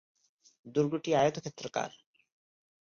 দুর্গটি আয়তক্ষেত্রাকার।